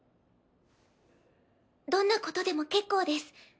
どんなことでも結構です。